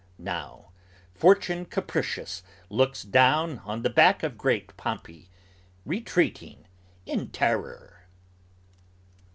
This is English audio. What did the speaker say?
Now Fortune capricious Looks down on the back of great Pompey retreating in terror!"